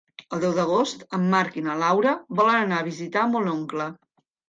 El deu d'agost en Marc i na Laura volen anar a visitar mon oncle.